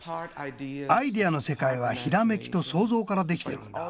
アイデアの世界はひらめきと想像から出来ているんだ。